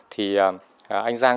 thì anh giang